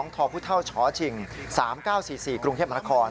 ๒ทพุท่าวชชิง๓๙๔๔กรุงเทพมหาคล